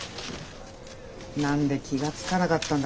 何で気が付かなかったんだ